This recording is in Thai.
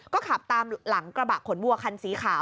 ก็ขับตามหลังกระบะขนวัวคันสีขาว